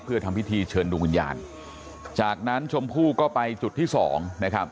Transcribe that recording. เพื่อทำพิธีเชิญดวงวิญญาณจากนั้นชมพู่ก็ไปจุดที่สองนะครับ